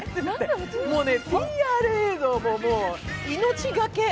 もうね、ＰＲ映像ももう命懸け。